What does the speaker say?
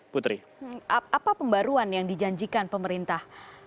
putri apa pembaruan yang dijanjikan pemerintah